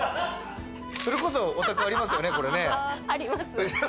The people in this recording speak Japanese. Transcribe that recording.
それこそお宅ありますよね。